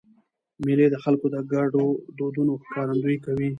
مېلې د خلکو د ګډو دودونو ښکارندویي کوي.